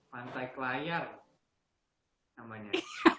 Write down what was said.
pantai kelayar namanya